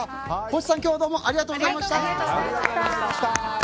星さん、今日はどうもありがとうございました。